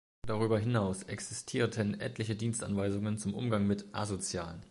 Darüber hinaus existierten etliche Dienstanweisungen zum Umgang mit „Asozialen“.